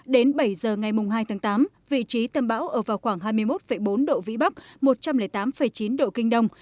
đến bảy giờ ngày hai tháng tám vị trí tâm bão ở vào khoảng hai mươi một bốn độ vĩ bắc một trăm linh tám chín độ kinh đông